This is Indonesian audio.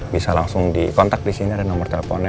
bisa langsung dikontak di sini ada nomor teleponnya